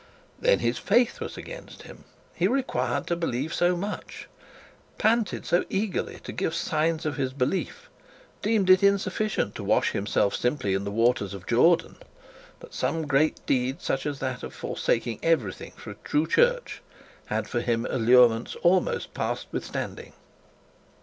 Then his faith was against him: he required to believe so much; panted so early to give signs of his belief; deemed it so insufficient to wash himself simply in the waters of Jordan; that some great deed, such as that of forsaking everything for a true church, had for him allurements almost past withstanding.